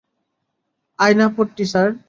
আয়নার্পট্টি, sir.